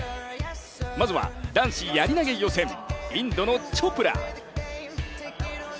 まずは男子やり投予選、インドのチョプラ。